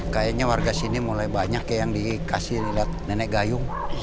kayaknya warga sini mulai banyak yang dikasih lihat nenek gayung